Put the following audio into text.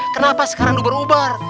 kenapa sekarang uber uber